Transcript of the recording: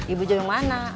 ibu ijung yang mana